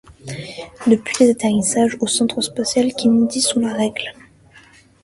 Depuis les atterrissages au centre spatial Kennedy sont la règle.